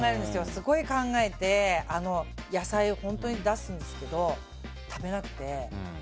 すごい考えて野菜を出すんですけど食べなくて。